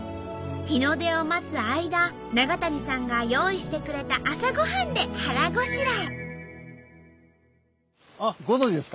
日の出を待つ間長谷さんが用意してくれた朝ごはんで腹ごしらえ。